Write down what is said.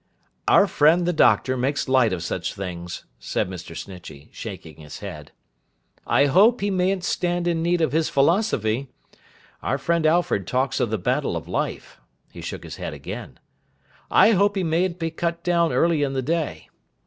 'Our friend the Doctor makes light of such things,' said Mr. Snitchey, shaking his head. 'I hope he mayn't stand in need of his philosophy. Our friend Alfred talks of the battle of life,' he shook his head again, 'I hope he mayn't be cut down early in the day.